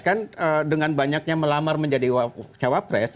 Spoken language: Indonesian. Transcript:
kan dengan banyaknya melamar menjadi cawapres